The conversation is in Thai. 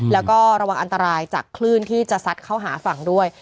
แล้วก็ระวังอันตรายจากคลื่นที่จะซัดเข้าหาฝั่งด้วย